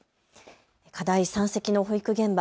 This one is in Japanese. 課題山積の保育現場。